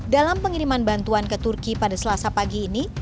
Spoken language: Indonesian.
dalam pengiriman bantuan ke turki pada selasa pagi ini